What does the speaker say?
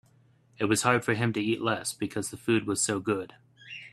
It was hard for him to eat less because the food was so good.